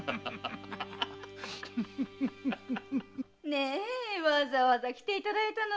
ねえわざわざ来ていただいたのに。